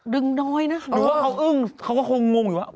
น้อยนะหรือว่าเขาอึ้งเขาก็คงงอยู่ว่า